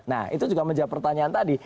nah itu juga menjawab pertanyaan tadi